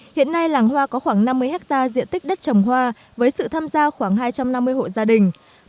hiện nay làng hoa có khoảng năm mươi hectare diện tích đất trồng hoa với sự tham gia khoảng hai trăm năm mươi hộ gia đình